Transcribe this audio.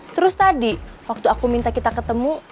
terus tadi waktu aku minta kita ketemu